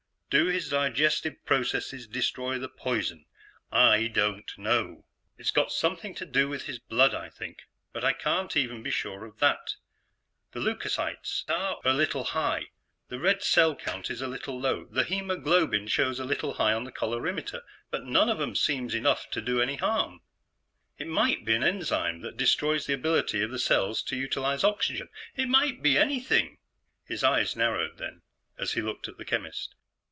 "Do his digestive processes destroy the poison? I don't know. "It's got something to do with his blood, I think, but I can't even be sure of that. The leucocytes are a little high, the red cell count is a little low, the hemoglobin shows a little high on the colorimeter, but none of 'em seems enough to do any harm. "It might be an enzyme that destroys the ability of the cells to utilize oxygen. It might be anything!" His eyes narrowed then, as he looked at the chemist.